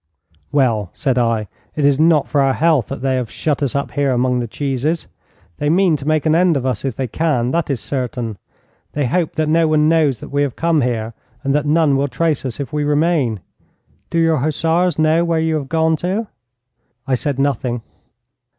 'Well,' said I, 'it is not for our health that they have shut us up here among the cheeses. They mean to make an end of us if they can. That is certain. They hope that no one knows that we have come here, and that none will trace us if we remain. Do your hussars know where you have gone to?' 'I said nothing.'